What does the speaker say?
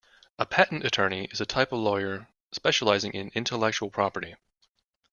A patent attorney is a type of lawyer specialising in intellectual property